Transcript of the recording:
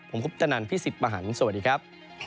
ผมคุปตนันพี่สิทธิ์มหันฯสวัสดีครับ